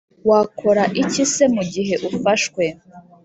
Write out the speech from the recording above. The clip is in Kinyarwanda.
Wakora iki se mu gihe ufashwe